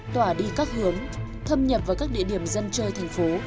tỏa đi các hướng thâm nhập vào các địa điểm dân chơi thành phố